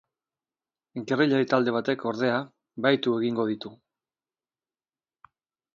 Gerrillari talde batek, ordea, bahitu egingo ditu.